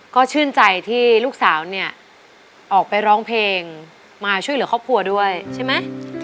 ก็ชื่นใจที่ลูกสาวเนี่ยออกไปร้องเพลงมาช่วยเหลือครอบครัวด้วยใช่ไหม